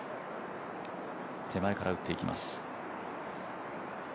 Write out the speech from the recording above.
手前から打っていきます。